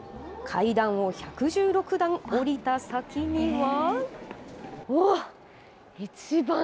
階段を１１６段下りた先には。